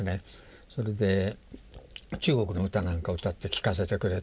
それで中国の歌なんかを歌って聞かせてくれたりですね。